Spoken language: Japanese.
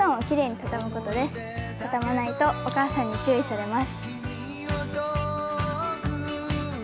畳まないとお母さんに注意されます。